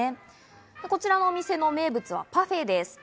こちらのお店の名物はパフェです。